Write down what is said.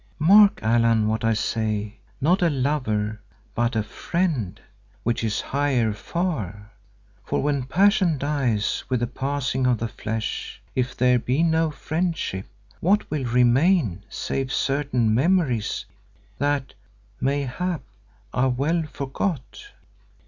Mark, Allan, what I say, not a lover, but a friend, which is higher far. For when passion dies with the passing of the flesh, if there be no friendship what will remain save certain memories that, mayhap, are well forgot?